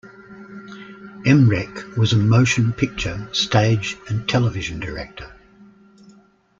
Emrek was a motion picture, stage and television director.